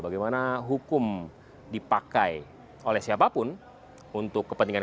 bagaimana hukum dipakai oleh siapapun untuk kepentingan